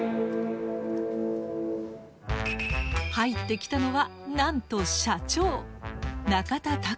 入ってきたのはなんと社長。